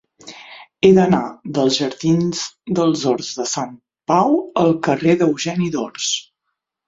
He d'anar dels jardins dels Horts de Sant Pau al carrer d'Eugeni d'Ors.